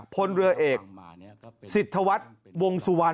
พลเรือเอกสิทธวัฒน์วงสุวรรณ